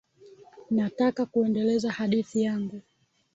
Nataka kuendeleza hadithi yangu.